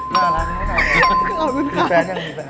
ขอบคุณค่ะ